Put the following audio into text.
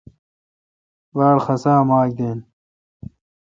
باڑ خسا اے ماک دین۔